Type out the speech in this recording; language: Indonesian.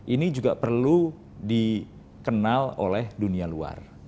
ini juga perlu dikenal oleh dunia luar